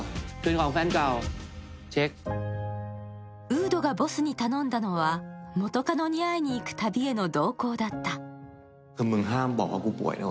ウードがボスに頼んだのは元カノに会いに行く旅への同行だった。